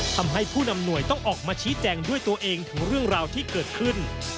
ทำให้ผู้นำหน่วยต้องออกมาชี้แจงด้วยตัวเองถึงเรื่องราวที่เกิดขึ้น